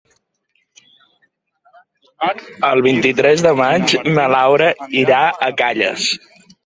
El vint-i-tres de maig na Laura irà a Calles.